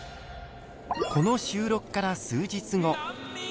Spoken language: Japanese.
この収録から数日後。